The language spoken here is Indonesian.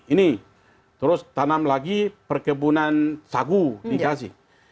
ini terus tanam lagi perkebunan sagu dikasih